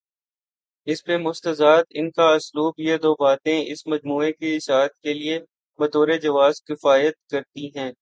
اس پہ مستزاد ان کا اسلوب یہ دوباتیں اس مجموعے کی اشاعت کے لیے بطورجواز کفایت کرتی ہیں۔